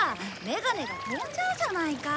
眼鏡が飛んじゃうじゃないか。